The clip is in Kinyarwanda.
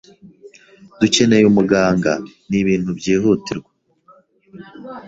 Dukeneye umuganga. Ni ibintu byihutirwa.